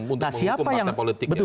untuk menghukum partai politik